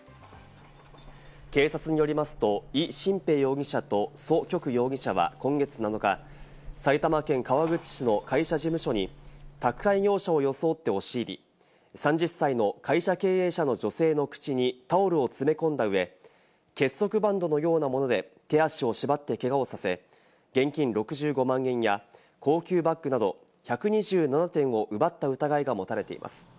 警察によりますと、イ・シンペイ容疑者とソ・キョク容疑者は今月７日、埼玉県川口市の会社事務所に宅配業者を装って押し入り、３０歳の会社経営者の女性の口にタオルを詰め込んだ上、結束バンドのようなもので手足を縛ってけがをさせ、現金６５万円や高級バッグなど１２７点を奪った疑いが持たれています。